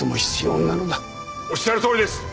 おっしゃるとおりです！